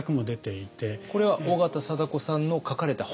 これは緒方貞子さんの書かれた本？